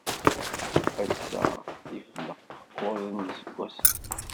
Ass-a, qefleɣ kuẓ n yiseggasen.